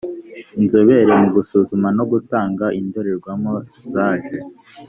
inzobere mu gusuzuma no gutanga indorerwamo zaje